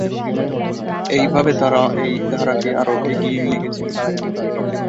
এইভাবে তাঁরা এই ধারাকে আরও এগিয়ে নিয়ে গেছেন।